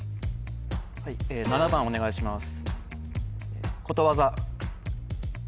はい７番お願いします